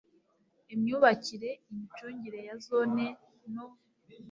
imyubakire imicungire ya Zone no